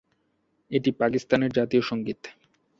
এটি পাকিস্তানের জাতীয় সঙ্গীত।